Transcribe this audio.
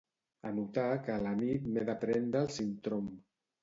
Anotar que a la nit m'he de prendre el Sintrom.